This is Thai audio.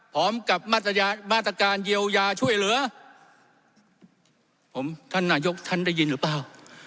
พร้อมกับมาตรการเยียวยาช่วยเหลือผมท่านนายกท่านได้ยินหรือเปล่า